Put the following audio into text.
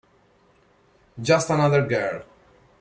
Just Another Girl